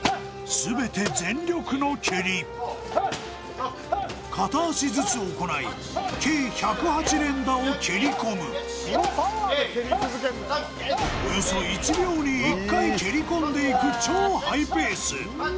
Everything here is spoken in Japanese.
全て全力の蹴り片足ずつ行い計１０８連打を蹴り込むおよそ１秒に１回蹴り込んでいく超ハイペース